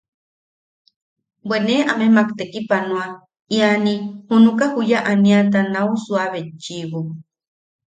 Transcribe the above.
Bwe ne amemak tekipanoa iani junuka juya aniata nau suua betchiʼibo.